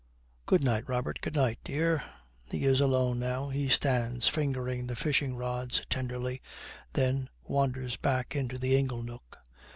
'Good night, Robert.' 'Good night, dear.' He is alone now. He stands fingering the fishing rods tenderly, then wanders back into the ingle nook.